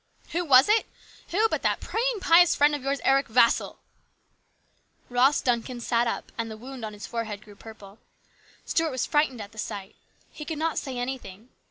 " Who was it ? Who but that praying, pious friend of yours, Eric Vassall !" Ross Duncan sat up, and the wound on his forehead grew purple. Stuart was frightened at the sight. He could not say anything.